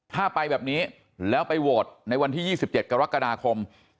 ถ้าไปแบบนี้แล้วไปโหวตในวันที่๒๗กรกฎาคม